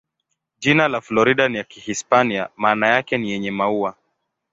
Jina la Florida ni ya Kihispania, maana yake ni "yenye maua".